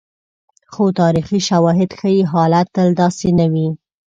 خو تاریخي شواهد ښيي، حالت تل داسې نه وي.